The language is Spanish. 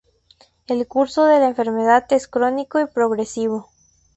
El curso de la enfermedad es crónico y progresivo.